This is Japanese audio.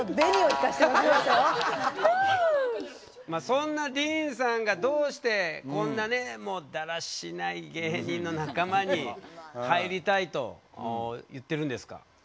そんなディーンさんがどうしてこんなねだらしない芸人の仲間に入りたいと言ってるんですか？